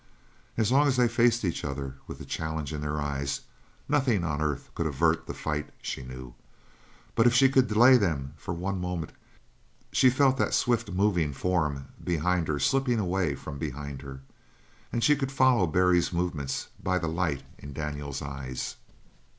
As long as they faced each other with the challenge in their eyes, nothing on earth could avert the fight, she knew, but if she could delay them for one moment she felt that swift moving form behind her slipping away from behind her she could follow Barry's movements by the light in Daniels' eyes.